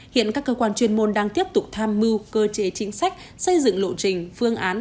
hiện các cơ quan chuyên môn đang tiếp tục tham mưu cơ chế chính sách xây dựng lộ trình phương án